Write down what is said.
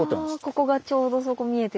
ここがちょうどそこ見えてる。